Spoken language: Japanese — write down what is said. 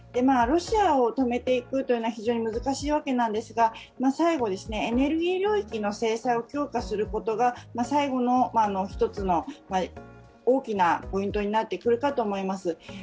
ロシアを止めていくというのは非常に難しいわけなんですが最後、エネルギー領域の制裁を強化することが最後の一つの大きなポイントになってくるかと思います。